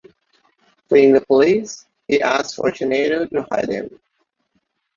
Fleeing the police, he asks Fortunato to hide him.